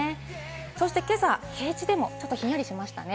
そして今朝、平地でも少し、ひんやりしましたよね。